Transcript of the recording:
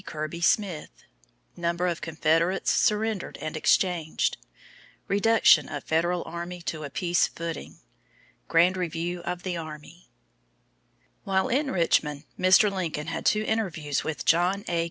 Kirby Smith Number of Confederates Surrendered and Exchanged Reduction of Federal Army to a Peace Footing Grand Review of the Army While in Richmond, Mr. Lincoln had two interviews with John A.